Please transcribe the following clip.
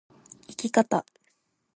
生き方